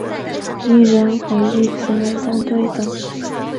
此外相对的两块颈阔肌在颈前是否交叉也因人而异。